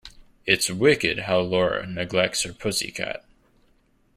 It's wicked how Lara neglects her pussy cat.